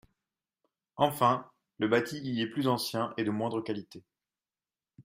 Enfin, le bâti y est plus ancien et de moindre qualité.